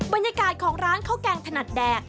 บรรยากาศของร้านข้าวแกงถนัดแดก